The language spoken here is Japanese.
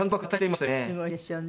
すごいですよね。